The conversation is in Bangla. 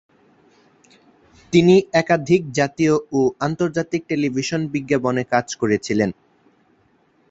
তিনি একাধিক জাতীয় এবং আন্তর্জাতিক টেলিভিশন বিজ্ঞাপনে কাজ করেছিলেন।